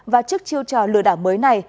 và trước chiêu trò lừa đảo mới này